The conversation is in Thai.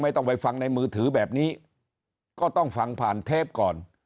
ต้องไปฟังในมือถือแบบนี้ก็ต้องฟังผ่านเทปก่อน